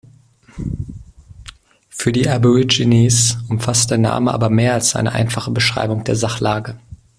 Für die Aborigines umfasst der Name aber mehr als eine einfache Beschreibung der Sachlage.